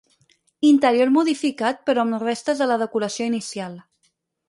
Interior modificat però amb restes de la decoració inicial.